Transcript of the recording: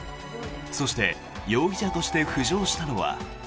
そして、容疑者として浮上したのは。